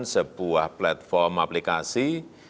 sebuah platform aplikasi